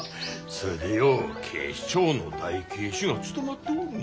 それでよう警視庁の大警視が務まっておるの。